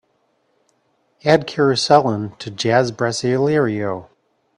Add karusellen to jazz brasileiro